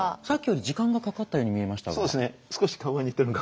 さっきより時間がかかったように見えましたが。